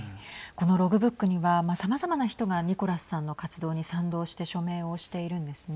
このログブックにはさまざまな人がニコラスさんの活動に賛同して署名をしているんですね。